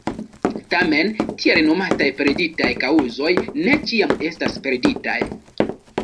Tamen, tiel nomataj perditaj kaŭzoj ne ĉiam estas perditaj.